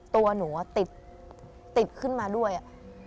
ตัวหนูติดขึ้นมาด้วยอะ